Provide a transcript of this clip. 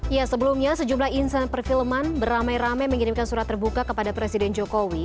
ya sebelumnya sejumlah insan perfilman beramai ramai mengirimkan surat terbuka kepada presiden jokowi